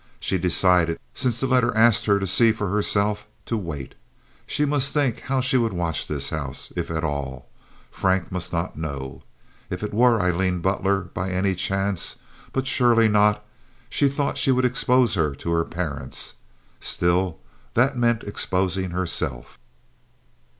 She decided, since the letter asked her to see for herself, to wait. She must think how she would watch this house, if at all. Frank must not know. If it were Aileen Butler by any chance—but surely not—she thought she would expose her to her parents. Still, that meant exposing herself.